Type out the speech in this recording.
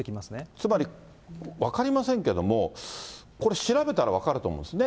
つまり分かりませんけども、これ調べたら分かると思うんですね。